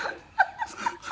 ハハハハ。